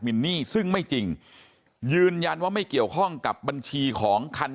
นี่ซึ่งไม่จริงยืนยันว่าไม่เกี่ยวข้องกับบัญชีของคัน